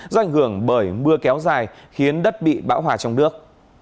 do ảnh hưởng bởi mưa kéo dài khiến đất bị bão hòa trong nước